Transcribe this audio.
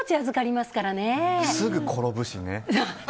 すぐ転ぶしね。